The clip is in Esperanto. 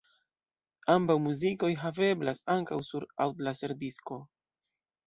Ambaŭ muzikoj haveblas ankaŭ sur aŭd-laserdisko.